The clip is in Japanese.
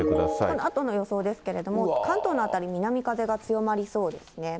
このあとの予想ですけど、関東の辺り、南風が強まりそうですね。